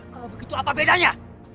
kalau begitu apa bedanya